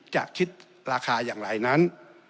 จะคิดราคาอย่างไรนั้น